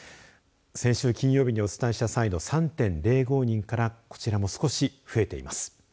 先週金曜日にお伝えした際の３．０５人からこちらも少し増えています。